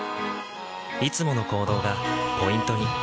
いつもの行動がポイントに。